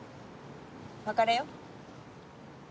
別れよ。